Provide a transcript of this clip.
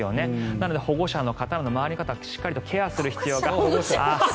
なので、保護者の方、周りの方がしっかりケアする必要があります。